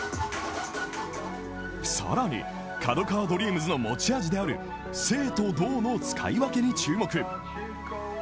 更にＫＡＤＯＫＡＷＡＤＲＥＡＭＳの持ち味である静と動の使い分けに注目。